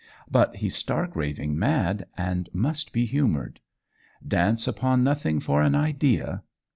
But he's stark raving mad, and must be humoured. Dance upon nothing for an idea!